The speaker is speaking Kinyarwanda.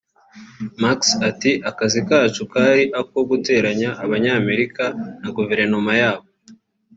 Max ati “Akazi kacu kari ako guteranya Abanyamerika na guverinoma yabo